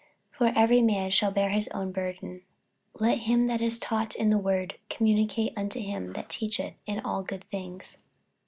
48:006:005 For every man shall bear his own burden. 48:006:006 Let him that is taught in the word communicate unto him that teacheth in all good things.